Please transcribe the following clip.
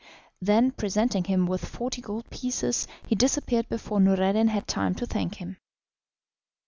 Then, presenting him with forty gold pieces, he disappeared before Noureddin had time to thank him.